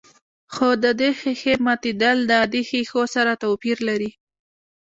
خو د دې ښيښې ماتېدل د عادي ښيښو سره توپير لري.